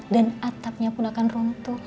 dan atapnya pun akan runtuh